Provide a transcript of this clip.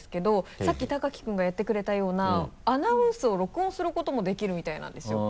さっき天輝くんがやってくれたようなアナウンスを録音することもできるみたいなんですよ。